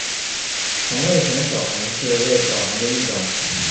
同位旋守恒是味守恒的一种。